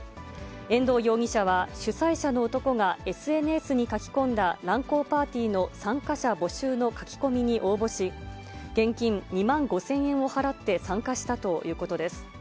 延堂容疑者は、主催者の男がＳＮＳに書き込んだ乱交パーティーの参加者募集の書き込みに応募し、現金２万５０００円を払って参加したということです。